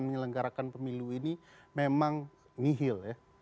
mengelenggarakan pemilu ini memang ngihil ya